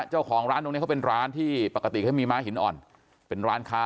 เจ้าของร้านตรงนี้เขาเป็นร้านที่ปกติมีไม้หินอ่อนเป็นร้านค้า